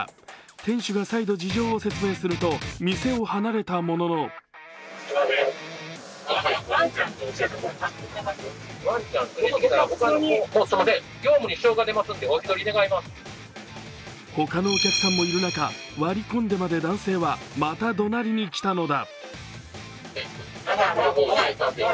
店主が再度事情を説明すると、店を離れたものの他のお客さんもいる中、割り込んでまで男性はまた怒鳴りに来たのだ。